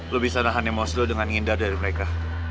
lo bisa nahannya maus lo dengan ngindar dari mereka